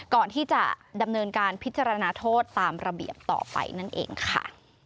ก่อนที่จะดำเนินการพิจารณาโทษตามระเบียบต่อไปนั่นเองค่ะ